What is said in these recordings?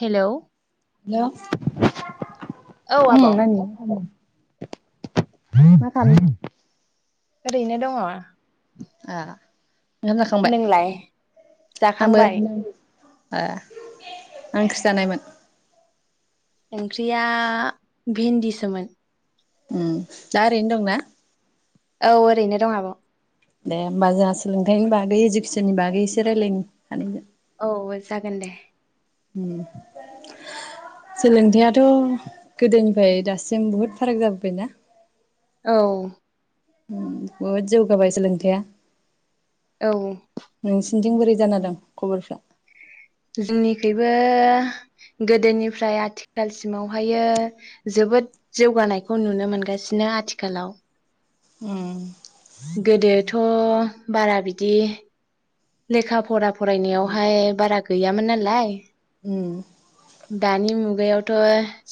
हेल' औ हेल' उम आब' नानि। मा खालामदों? ओरैनो दङ'। आ। ओंखाम जाखांबाय नोंलाय आंबो जाखांबाय? ए मा ओंख्रि जानायमोन? ओंख्रिया भिन्दिसोमोन। ओम दा ओरैनो दंना? औ ओरैनो दं आब'। दे होमबा जोंहा सोलोंथाइनि बागै इडुकेसनि बागै एसे रायज्लायनो सानैबो। औ जागोन दे। सोलोंथायाइआथ' गोदोनिफ्राय दासिम बहुद फाराग जाबोबायना? औ। ओम बहुद जौगाबाय सोलोंथाया औ निथिं बोरै जाना दं खबरफ्रा? जोंनिखैबो गोदोनिफ्राय आथिखालसिमावहायो जोबोद जौगानायखौ नुनो मोनगासिनो आथिखालाव उम गोदोथ' बारा बिदि लेखा फरा फरायनायावहाय बारा गैयामोन नालाय ओम दानि मुगायावथ'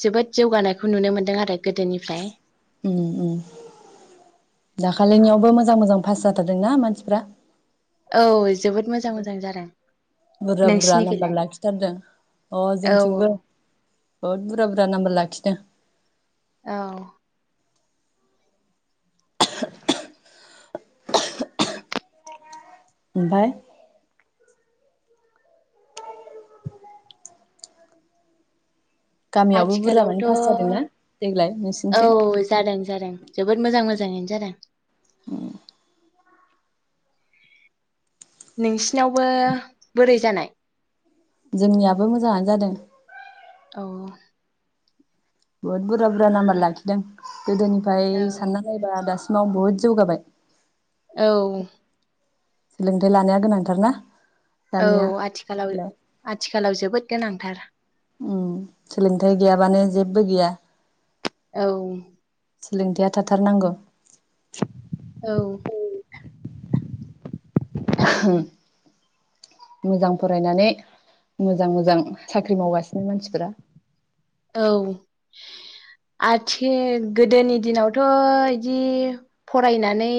जोबोद जौगानायखौ नुनो मोनदों आरो गोदोनिफ्राय ओम ओम दाखालिनियावबो मोजां मोजां पास जाथारदोंना मानसिफ्रा औ जोबोद मोजां मोजां जादों बुरजा बुरजा नाम्बार नोंसिनिखैलाय लाखिथारदों अ औ जोंथिंबो बहुद बुरा बुरजा नाम्बार लाखिदों औ ओमफाय गामियावबो बुरजामानि आथिखालावथ' पास जादोंना देग्लाय औ नोंसिनिथिं जादों जादों जोबोद मोजां मोजाङैनो जादों नोंसिनावबो बोरै जानाय जोंनियाबो मोजाङानो जादों औ बुहुद बुरजा बुरजा नाम्बार लाखिदों गोदोनिफाय औ सानना नायबा दासिम उनाव बुहुत जौगाबाय औ सोलोंथाइ लानाया गोनांथार ना औ आथिखालाव आथिखालाव जोबोद गोनांथार ओम सोलोंथाइ गैयाबानो जेबो गैया औ सोलोंथाया थाथारनांगौ औ [unintelligible] मोजां फरायनानै मोजां मोजां साख्रि मावगासिनो मानसिफोरा औ आथिख गोदोनि दिनावथ' इदि फरायनानै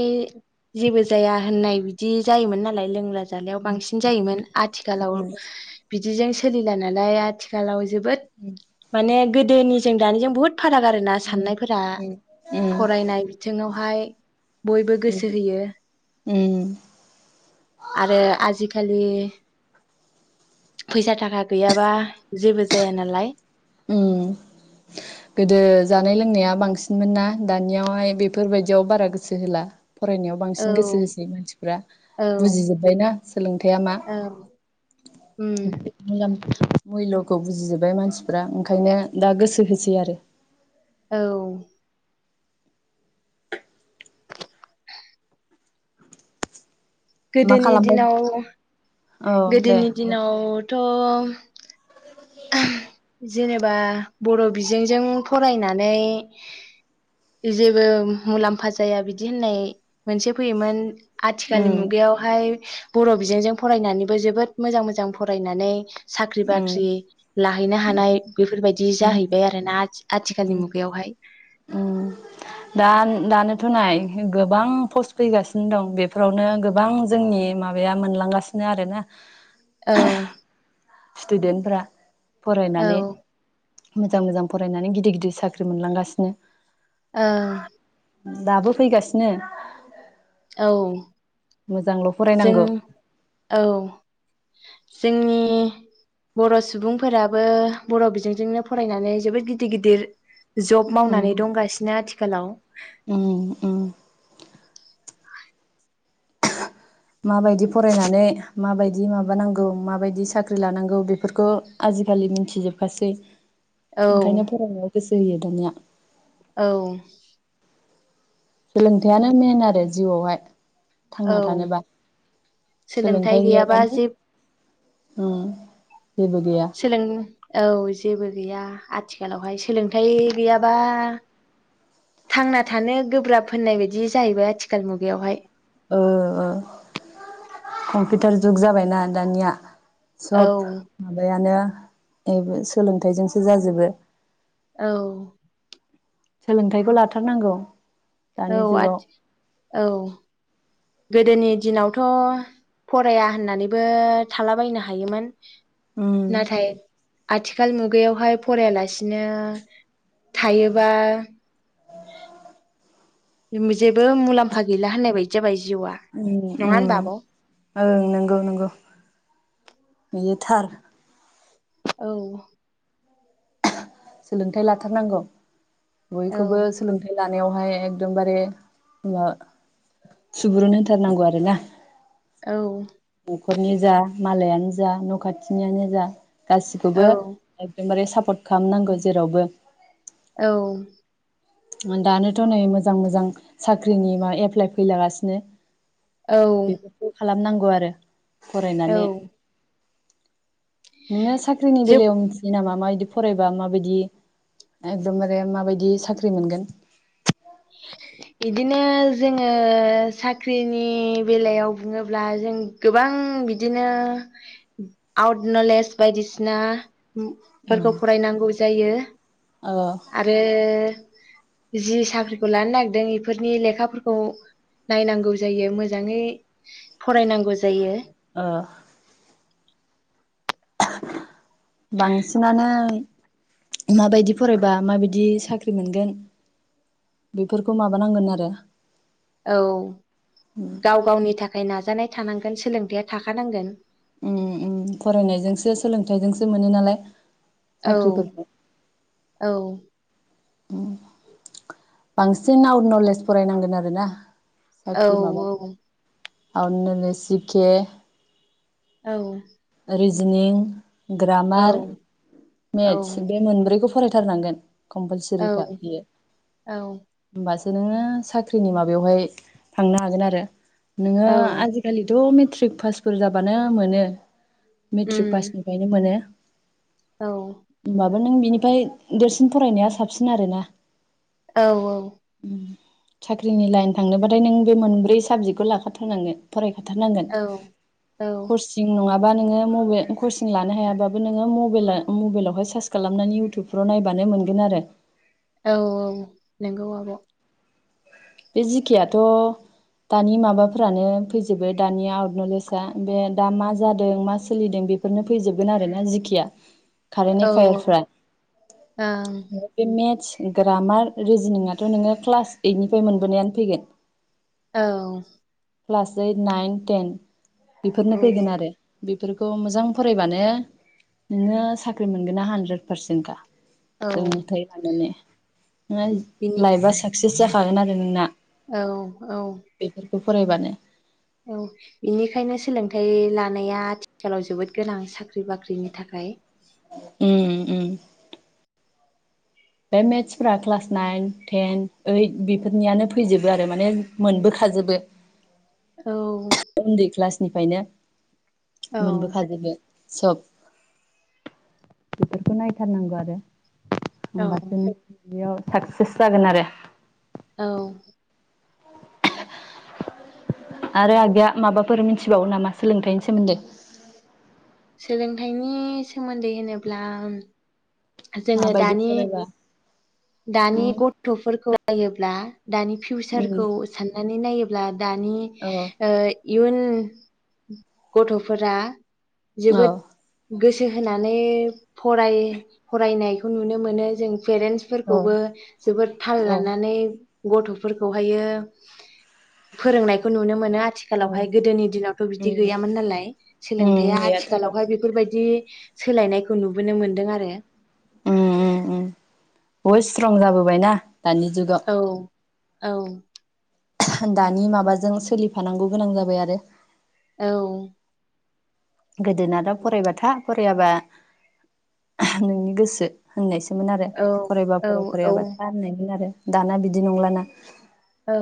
जेबो जाया होननाय बिदि जायोमोन नालाय लोंला जालायाव बांसिन जायोमोन। आथिखालाव उम बिदिजों सोलिला नालाय आथिखालाव जोबोद ए गोदोनि जों दानिजों बहुत फाराग आरो ना साननायफोरा फरायनाय बिथिङावहाय बयबो गोसो होयो। ओम आरो आजिखालि फैसा थाखा गैयाबा जेबो जाया नालाय ओम गोदो जानाय लोंनाया बांसिनमोन ना दानियावहाय बेफोरबायदियाव बारा गोसो होला फरायनायाव औ बांसिन गोसो होसै मानसिफ्रा औ बुजिजोब्बायना सोलोंथाइया मा औ उम [inaudible] मुल्यखौ बुजिजोब्बाय मानसि फोरा ओंखायनो दा गोसो होसै आरो औ मा गोदोनि खालामबाय दिनाव औ दे गोदोनि दिनाव अ [unintelligible] जेनेबा बर' बिजोंजों फरायनानै जेबो मुलाम्फा जाया बिदि होननाय मोनसे फैयोमोन। आथिखालनि उम मुगायावहाय बर' बिजोंजों फरायनानैबो जोबोद मोजां मोजां फरायनानै साख्रि उम बाख्रि लाहैनो हानाय बेफोरबायदि जाहैबाय आरोना आथिखालनि उम मुगायावहाय दानोथ'नाय गोबां पस्ट फैगासिनो दं बेफोरावनो गोबां जोंनि माबाया मोनलांगासिनो आरोना औ स्टुदेन्टफ्रा औ फरायनानै मोजां मोजां फरायनानै गिदिर गिदिर साख्रि मोनलांगासिनो। ओ दाबो फैगासिनो औ मोजांल' जों फरायनांगो औ जोंनि बर' सुबुंफोराबो बर' बिजोंजोंनो फरायनानै जोबोद गिदिर गिदिर जब उम मावनानै दंगासिनो आथिखालाव उम उम माबायदि फरायनानै माबायदि माबानांगौ माबायदि साख्रि लानांगौ बेफोरखौ आजिखालि मिथिजोबखासै। औ ओंखायनो फरायनायाव गोसो जायो दानिया। औ सोलोंथाइयानो मेन आरो जिउआवहाय थांना औ थानोबा सोलोंथाइ गैयाबा जे उम जेबो गैया सोलों औ जेबो गैया आथिखालावहाय सोलोंथाइ गैयाबा थांना थानो गोब्राब होननाय बायदि जाहैबाय आथिखाल मुगायावहाय। औ औ कम्पिउटार जुग जाबायना दानिया औ सब माबायानो एबो सोलोंथाइजोंसो जाजोबो औ सोलोंथाइखौ लाथारनांगौ। औ दानि जुगाव आथि औ गोदोनि दिनावथ' फराया होननानैबो थालाबायनो हायोमोन, उम नाथाय आथिखाल मुगायावहाय फरायालासिनो थायोबा जेबो मुलाम्फा गैला होननाय बायदि जाबाय जिउआ ओम नङा होनबा ओम आब' औ ओं नंगौ नंगौ बेयो थार औ सोलोंथाइ लाथारनांगौ, औ बयखौबो सोलोंथाइ लान यावहाय एकदमबारे ओ सुबुरुन होनथारनांगौ आरोना? औ न'खरनि जा मालायानो जा न' खाथिनियानो जा, गासिखौबो औ एकदमबारे सा खामनांगौ जेरावबो, औ दानोथ' नै मोजां मोजां साख्रिनि बा एप्लाइ फैलागासिनो, औ बेफोरखौ खालामनां गौ आरो औ फरायनानै, नोङो साख्रिनि जेबो बेलायाव मोनथियो नामा? मायदि फरायबा माबायदि एबदमबारे माबादि साख ख्रि मोनगोन बिदिनो जोङो साख्रिनि बेलायाव बुङोब्ला जों गोबां बिदिनो आउट नलेज बायदिसिना, उम फोरखौ फरायनांगौ जायो। ओ आरो जि साख्रिखौ लानो नागिरदों इफोरनि लेखाफोरखौ नायनांगौ जायो मोजाङै फरायनांगौ जायो। ओ बांसिनानो माबायदि फरायबा माबायदि साख्रि मोनगोन बेफोरखौ माबानांगोन आरो औ गाव गावनि थाखाय नाजानाय, थानांगोन सोलोंथाइया थाखानांगोन, ओम ओम फरायनायजोंसो सोलोंथाइजोंसो मोनो नालाय, औ साख्रिफोरखौ औ बांसिन आवट नलेज फरायनांगोन आरोना। औ साख्रि माबानोबा आवट नलेज जि के। औ। रिजिनिं औ ग्रामार औ मेथ्स बे मोनब्रैखौ फरायथारनांगोन। कमपलसरिखा औ बेयो औ होमबासो नोङो साख्रिनि माबायावहाय थांनो हागोन आरो। नोङो औ आजिखालिथ' मेत ट्रिक पासफोर जाबानो मोनो। मेट्रिक उम पासनिफ्रायनो मोनो। औ। होमबाबो नों बिनिफ्राय देरसिन फरायनाया साबसिन आरोना। औ औ। साख्रिनि लाइन थांनोबाथाय नों बे मोनब्रै साबजेक्टखौ लाखाथारनांगोन फराय लाथारनांगोन औ औ कचिं नङा बा नोंङो मबे कचिं लानो हायाबाबो नोङो मबेला- मबाइलावहाय सार्च खालामनानै उटुबफ्राव नायबानो मोनगोन आरो। औ औ नोंगौ आब'। बे जि के याथ' दानि माबाफ्रानो फैजोबो दानि आउट नलेजआ बे दा मा जादों मा सोलिदों बेफोरनो फैजोबगोन आरोना जि खेआ। कारेन्ट औ एफायारफ्रा ओं बे मेत्स ग्रामार रिजिनिंयाथ' नोङो क्लास ओइटनि बे मोनबोनायानो फैगोन। औ। Class eight nine ten. बिफोरनो औ फैगोन आरो। बेफोरखौ मोजां फरायबानो नोङो साख्रि मोनगोनना हानद्रेद पारसेन्टखा। औ जों थायबानो ने। बिनि नाइफ लाइफा साक्सेस जाखागोन आरो नोंना। औ औ। बेफोरखौ फरायबानो। औ बेनिखायनो सोलोंथाइ लानाया आथिखालाव जोबोद गोनां साख्रि बाख्रिनि थाखाय। उम उम। बे मेथ्सफ्रा क्लास नाइन टेन ओइट बेफोरनियानो फैजोबो आरो माने मोनबोखाजोबो। औ [unintelligible] ओनदै क्लास निफायनो औ मोनबोखाजोबो। सब बेफोरखौ नायथारनांगौ आरो। औ बा बिदियाव साक्सेस जागोन आरो औ आरो आगैया माबाफोर मिथिबावो नामा सोलोंथाइनि सोमोन्दै सोलोंथाइनि सोमोन्दै होनोब्ला जोङो माबायदि दानि फरायबा दानि उम गथ'फोरखौ नायोब्ला दानि उम फिउचारखौ साननानै नायो ब्ला दानि औ ओ इयुन गथ'फोरा औ जोबोद गोसो होनानै फराय फरायनायखौ नुनो मोनो जों पेरेन्टस फोरखौबो औ जोबोद थाल औ लानानै गथ'फोरखौ हायो फोरोंनायखौ नुनो मोनो आथिखालाव हाय उम गोदोनि दिनावथ बिदि उम गैयामोन नालाय उम सोलोंथायआ गैयाथ' आरो आथिखालावहाय बेफोर बायदि सोलायनायखौ नुबोनो मोनदों आरो ओम ओम बहद स्ट्रं जाबोबाय ना दानि जुगाव औ औ दानि माबाजों सोलिफानांगौ गोनां जाबाय आरो औ गोदोनाथ' फरायब था फरायाबा नोंनि गोसो होननाय सो मोन आरो औ फरायबा औ फराय औ फरायाबा था होननायमोन आरो दाना बिदि नंलाना औ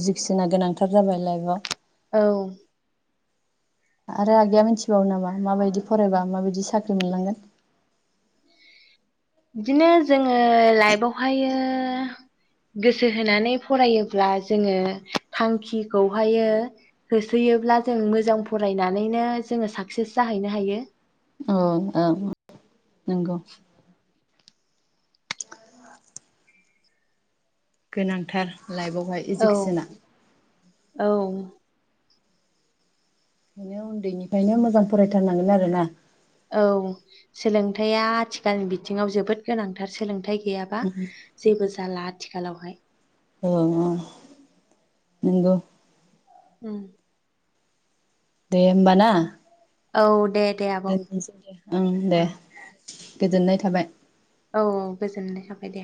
इजिकेसना गोनांथार जाबाय लाइफआव औ आरो आगैया मिथिबावो नामा माबायदि फरायबा माबायदि सा साख्रि मोनलांगोन बिदिनो जोङो लाइफआवहायो गोसो होनानै फरायोब्ला जोङो थांखिखौहायो होसोयोब्ला जों मोजां फरायनानैनो जोङो साक्सेस जाहैनो हायो औ औ नंगौ गोनांथार लाइफआवहाय औ इजुकेसना औ खायनो उन्दैनिफ्रायनो मोजां फरायथारनांगोन आरो ना? औ सोलोंथाइया आथिखालनि बिथिङाव जोबोद गोनांथार सोलोंथायाइ गैयाबा जेबो जाला आ थिखालावहाय औ ओ नोंगौ। उम। दे होमबा ना? औ। दे दे आब' [unintelligible] ओं दे। औ गोजोननाय थाबाय। औ औ गोजोननाय थाबाय दे।